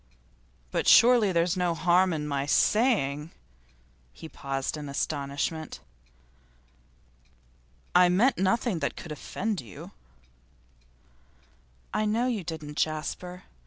'But surely there's no harm in my saying ' he paused in astonishment. 'I meant nothing that could offend you.' 'I know you didn't, Jasper.